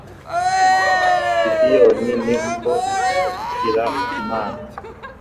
gideyoni ni ko kubwira imana